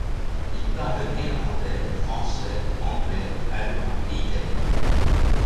Il parle néerlandais, français, anglais, allemand et italien.